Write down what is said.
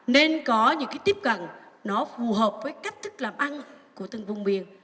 nên có những cái tiếp cận nó phù hợp với cách thức làm ăn của từng vùng miền